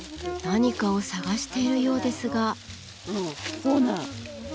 何かを探しているようですが。